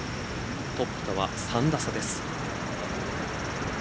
トップとは３打差です。